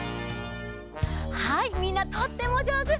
はいみんなとってもじょうず！